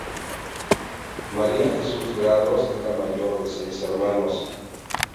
María Jesús Grados es la mayor de seis hermanos.